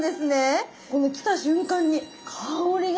この来た瞬間に香りが。